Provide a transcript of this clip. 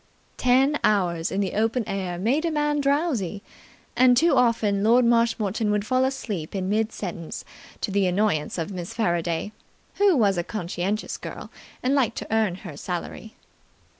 Ten hours in the open air make a man drowsy, and too often Lord Marshmoreton would fall asleep in mid sentence to the annoyance of Miss Faraday, who was a conscientious girl and liked to earn her salary.